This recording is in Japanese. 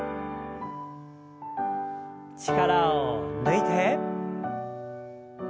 力を抜いて。